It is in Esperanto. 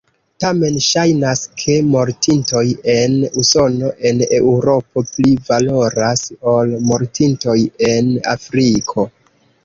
Tamen ŝajnas, ke mortintoj en Usono, en Eŭropo pli valoras ol mortintoj en Afriko.